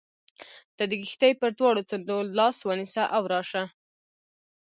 ته د کښتۍ پر دواړو څنډو لاس ونیسه او راشه.